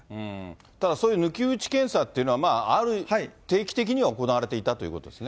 ただ、そういう抜き打ち検査っていうのは、まあ定期的には行われていたということですね。